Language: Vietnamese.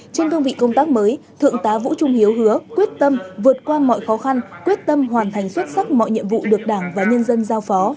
trên cương vị công tác mới thượng tá vũ trung hiếu hứa quyết tâm vượt qua mọi khó khăn quyết tâm hoàn thành xuất sắc mọi nhiệm vụ được đảng và nhân dân giao phó